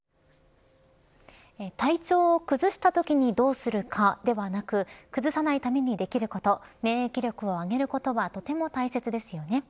体調を崩したときにどうするかではなく崩さないためにできること免疫力を上げることはとても大切ですよね。